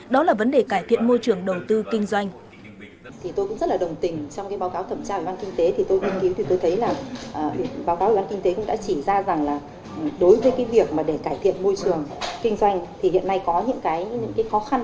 đó là vấn đề cải thiện môi trường đầu tư kinh doanh